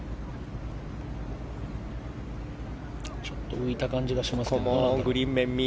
ちょっと浮いた感じがしますが。